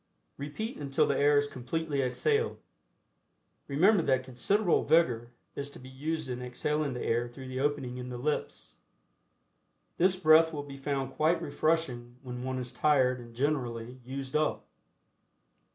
Repeat until the air is completely exhaled. Remember that considerable vigor is to be used in exhaling the air through the opening in the lips. This breath will be found quite refreshing when one is tired and generally "used up."